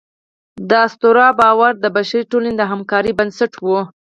د اسطورو باور د بشري ټولنې د همکارۍ بنسټ و.